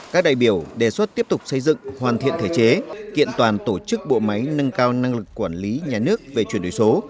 các đại biểu đề xuất tiếp tục xây dựng hoàn thiện thể chế kiện toàn tổ chức bộ máy nâng cao năng lực quản lý nhà nước về chuyển đổi số